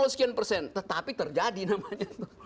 sekian persen tetapi terjadi namanya